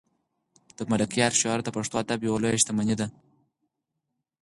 د ملکیار شعر د پښتو ادب یوه لویه شتمني ده.